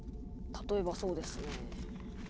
例えばそうですね。